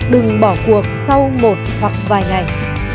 đừng bỏ cuộc sau một hoặc vài ngày